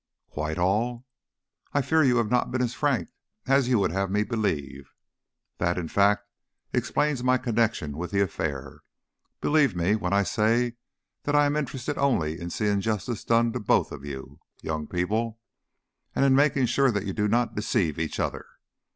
"Quite all? I fear you have not been as frank as you would have me believe. That, in fact, explains my connection with the affair. Believe me when I say that I am interested only in seeing justice done to both of you young people, and in making sure that you do not deceive each other.